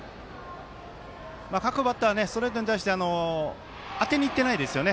各バッターはストレートに対して当てにいってないですよね。